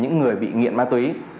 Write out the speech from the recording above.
những người bị nghiện ma túy